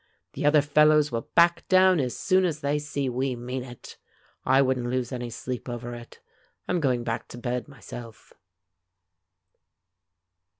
The other fellows will back down as soon as they see we mean it. I wouldn't lose any sleep over it. I'm going back to bed, myself."